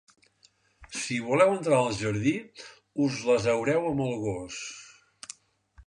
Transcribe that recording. Si voleu entrar al jardí, us les haureu amb el gos.